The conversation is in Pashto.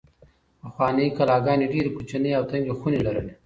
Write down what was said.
پخوانۍ کلاګانې ډېرې کوچنۍ او تنګې خونې لرلې.